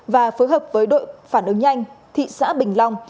và phối hợp với đội phản ứng nhanh thị xã bình long